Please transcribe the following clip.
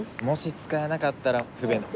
もし使えなかったら不便。